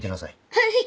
はい！